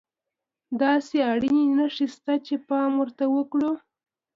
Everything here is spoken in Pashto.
داسې اړينې نښې شته چې پام ورته وکړو.